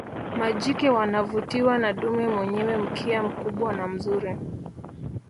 Majike wanavutiwa na dume mwenyewe mkia mkubwa na mzuri